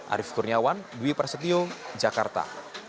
arief kurniawan dwi prasetyo jakarta